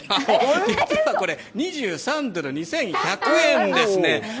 実はこれ２３ドル、２１００円です。